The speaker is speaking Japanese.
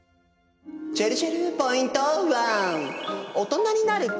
ちぇるちぇるポイント１。